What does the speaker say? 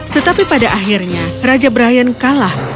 tetapi pada akhirnya raja brian kalah